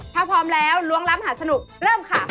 ถ้าพร้อมแล้วล้วงล้ำหาสนุกเริ่มค่ะ